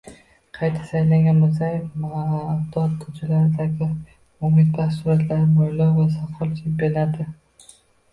Qayta saylangan Mirziyoyev, Bag‘dod ko‘chalaridagi umidbaxsh suratlar, mo‘ylov va soqol chempionati